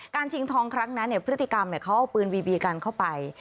ชิงทองครั้งนั้นพฤติกรรมเขาเอาปืนวีบีกันเข้าไป